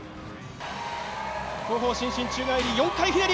後方伸身宙返り４回ひねり。